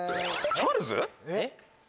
チャールズさん。